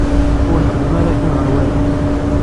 Ur nxeddem ara kra ɣe waya?